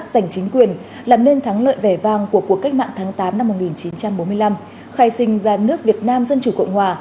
giành chính quyền làm nên thắng lợi vẻ vang của cuộc cách mạng tháng tám năm một nghìn chín trăm bốn mươi năm khai sinh ra nước việt nam dân chủ cộng hòa